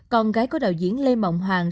con gái của đạo diễn lê mộng hoàng